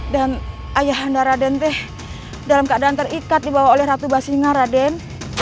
dan ayahanda radente dalam keadaan terikat dibawa oleh ratu basinya raden